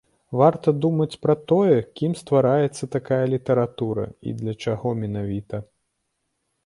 Варта думаць пра тое, кім ствараецца такая літаратура і для чаго менавіта.